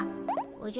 おじゃ？